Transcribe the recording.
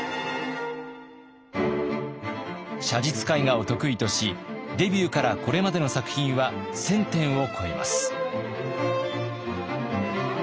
写実絵画を得意としデビューからこれまでの作品は１，０００点を超えます。